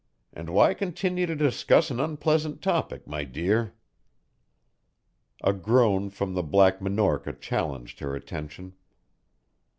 And why continue to discuss an unpleasant topic, my dear?" A groan from the Black Minorca challenged her attention.